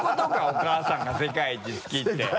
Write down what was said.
「お母さんが世界一好き」って。